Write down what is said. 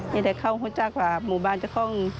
นี่แด้เข้าหุ้นจากว่ามุมบ้านจะข้อง